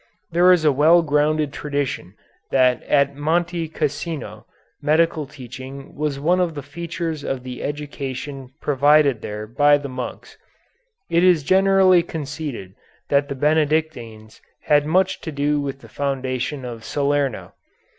There is a well grounded tradition that at Monte Cassino medical teaching was one of the features of the education provided there by the monks. It is generally conceded that the Benedictines had much to do with the foundation of Salerno.